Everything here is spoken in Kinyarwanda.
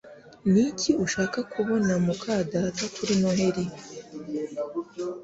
Niki ushaka kubona muka data kuri Noheri?